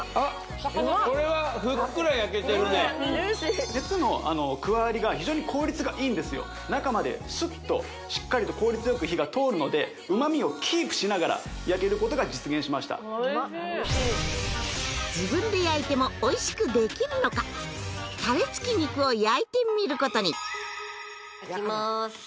・ジューシー熱の加わりが非常に効率がいいんですよ中までスッとしっかりと効率よく火が通るので旨みをキープしながら焼けることが実現しましたおいしい自分で焼いてもおいしくできるのかタレ付き肉を焼いてみることにいきます